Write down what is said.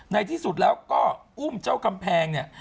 ในที่สุดแล้วก็อุ้มเจ้ากำแพงเนี่ย